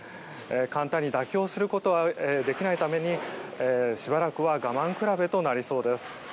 簡単に妥協することはできないためにしばらくは我慢比べとなりそうです。